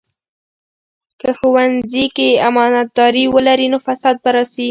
که ښوونځي کې امانتداري ولري، نو فساد به راسي.